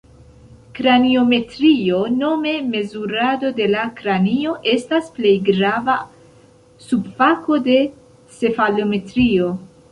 Kraniometrio, nome mezurado de la kranio, estas plej grava subfako de cefalometrio.